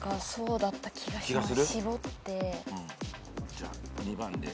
じゃあ２番で。